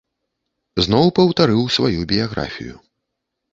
Зноў паўтарыў сваю біяграфію.